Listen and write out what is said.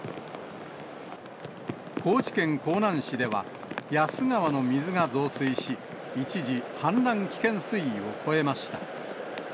高知県香南市では、夜須川の水が増水し、一時、氾濫危険水位を超えました。